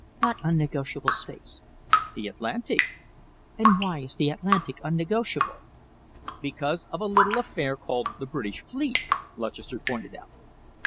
"What unnegotiable space?" "The Atlantic." "And why is the Atlantic unnegotiable?" "Because of a little affair called the British fleet," Lutchester pointed out.